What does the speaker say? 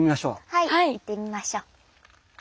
はい行ってみましょう。